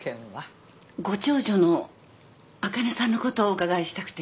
ご長女のあかねさんのことをお伺いしたくて。